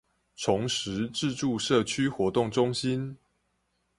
崇實自助社區活動中心